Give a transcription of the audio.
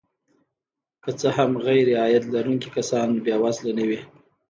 که څه هم غیرعاید لرونکي کسان بې وزله نه وي